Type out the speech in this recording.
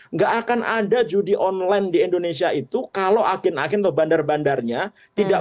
nggak akan ada judi online di indonesia itu kalau agen agen atau bandar bandarnya tidak